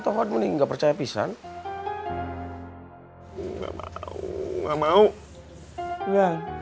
tolong balasi sakit perutannya bang